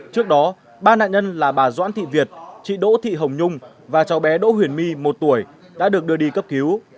trước đó ba nạn nhân là bà doãn thị việt chị đỗ thị hồng nhung và cháu bé đỗ huyền my một tuổi đã được đưa đi cấp cứu